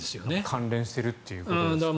関連してるということですか。